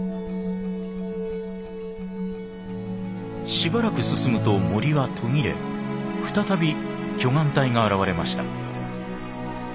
しばらく進むと森は途切れ再び巨岩帯が現れました。